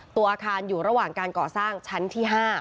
ตัวอาคารอยู่ระหว่างการก่อสร้างชั้นที่๕